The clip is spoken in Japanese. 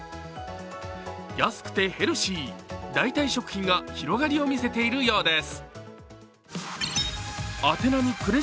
安くてヘルシー、代替食品が広がりを見せているようです。